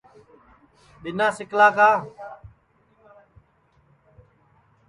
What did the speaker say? ٻینا سکلا کا